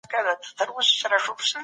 چي د بل لپاره ورور وژني په تور کي